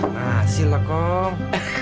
masih lah kong